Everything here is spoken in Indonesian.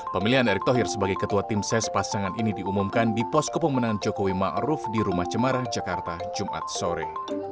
pemilihan erick thohir sebagai ketua tim ses pasangan ini diumumkan di pos kepemenangan jokowi ⁇ maruf ⁇ di rumah cemara jakarta jumat sore